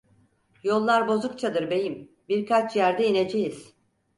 Yollar bozukçadır beyim, birkaç yerde ineceğiz!